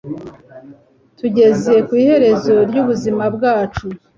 tugeze ku iherezo ry'ubuzima bwacu